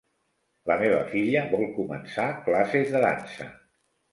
La meva filla vol començar classes de dansa.